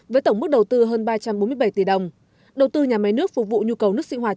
với tổng mức đầu tư hơn ba trăm bốn mươi bảy tỷ đồng đầu tư nhà máy nước phục vụ nhu cầu nước sinh hoạt